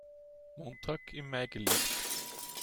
Montag im Mai gelegt.